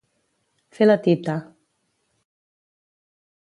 Fer la tita.